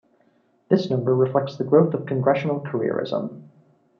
This number reflects the growth of congressional careerism.